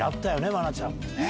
愛菜ちゃんもね。